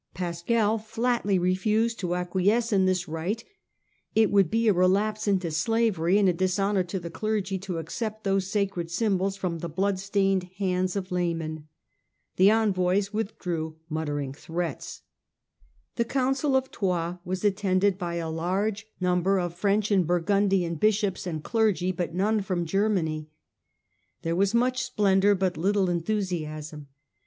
Pascal flatly refused to acquiesce in this right ; it would be a relapse into slavery and a dishonour to the clergy to accept those sacred symbols from the bloodstained hands of laymen. The envoys withdrew muttering threats. The Council of Troves was attended by a large Digitized by VjOOQIC Contest of Henry V. with the Pope 1S9 number of French and Burgundian bishops and clergy, but none from Germany. There was much splendour oonncu of but little enthusiasm.